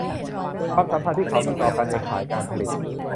ความสัมพันธ์ที่เขามีต่อกันในข่ายการผลิต